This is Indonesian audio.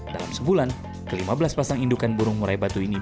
dalam sebulan kelima belas pasang indukan burung murai batu ini